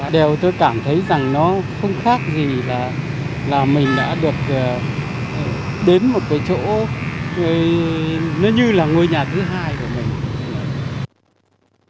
đều tôi cảm thấy rằng nó không khác gì là mình đã được đến một cái chỗ nó như là ngôi nhà thứ hai của mình